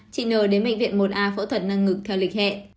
chị n đến bệnh viện một a phẫu thuật nâng ngực theo lịch hẹn